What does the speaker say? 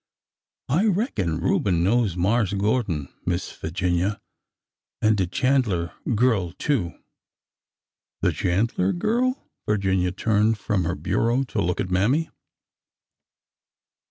I reckon Reuben knows Marse Gor don, Miss Figinia !... An' de Chan'ler gyurl, too !"'' The Chandler girl !" Virginia turned from her bu reau to look at Mammy.